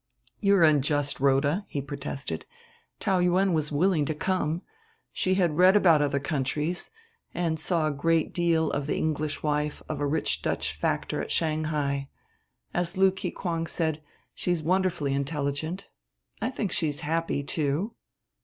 "You are unjust, Rhoda," he protested. "Taou Yuen was willing to come. She had read about other countries and saw a great deal of the English wife of a rich Dutch factor at Shanghai; as Lú Kikwáng said, she's wonderfully intelligent. I think she is happy, too."